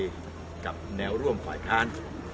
เมื่อไทยกับแนวร่วมข่ายค้าน